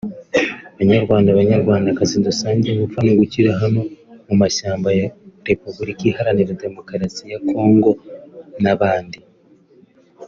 Banyarwanda Banyarwandakazi dusangiye gupfa no gukira hano mu mashyamba ya Repuburika Iharanira Demokarasi ya Kongo n’abandi